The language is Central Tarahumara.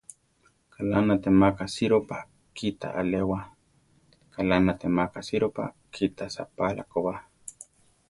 Kaʼlá natémaka sirópa kita alewá; kaʼlá natémaka sirópa kita saʼpála koba.